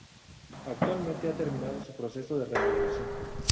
Actualmente ha terminado su proceso de remodelación.